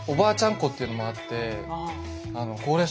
子っていうのもあって。